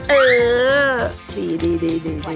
เออดีดีดี